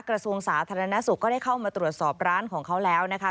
กระทรวงสาธารณสุขก็ได้เข้ามาตรวจสอบร้านของเขาแล้วนะคะ